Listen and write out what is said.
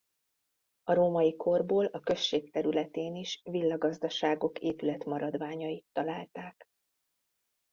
A római korból a község területén is villagazdaságok épületmaradványait találták.